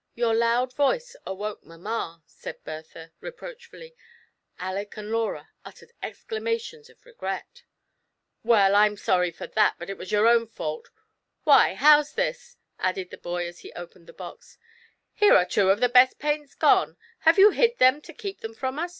Your loud voice awoke mamma said Bertha re proactiully ; Aleck and Laura uttered exclamations of r^ret " Well, I'm sorry for that but it was your own fault Why, how's this," added the boy as he opened the box "here are two of the best pamts gone' Ha\e jou hid them to keep them from us